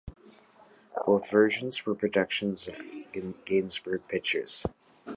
Both versions were productions of Gainsborough Pictures.